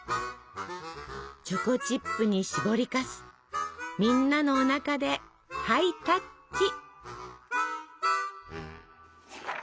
チョコチップにしぼりかすみんなのおなかでハイタッチ！